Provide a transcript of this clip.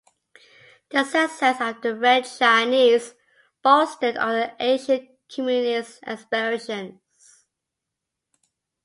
The success of the Red Chinese bolstered other Asian Communist aspirations.